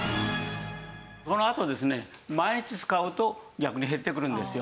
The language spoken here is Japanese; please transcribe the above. そのあとですね毎日使うと逆に減ってくるんですよ。